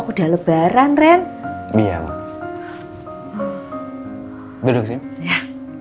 udah lebaran ren iya belum ya